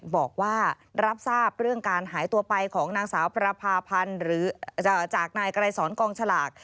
บอกว่ารับทราบเรื่องการหายตัวไปของนางสาวประพาพันธ์หรือจากนายไกรสอนกองฉลาก